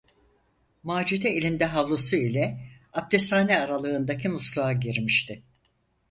Macide elinde havlusu ile apteshane aralığındaki musluğa girmişti.